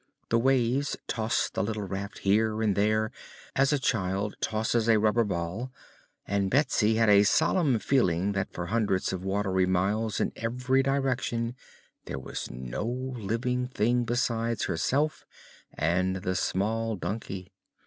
The waves tossed the little raft here and there as a child tosses a rubber ball and Betsy had a solemn feeling that for hundreds of watery miles in every direction there was no living thing besides herself and the small donkey.